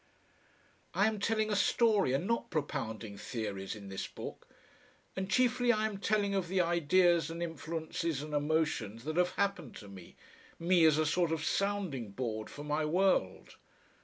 I am telling a story, and not propounding theories in this book; and chiefly I am telling of the ideas and influences and emotions that have happened to me me as a sort of sounding board for my world.